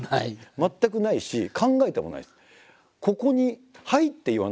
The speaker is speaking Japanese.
全くないし考えてもないです。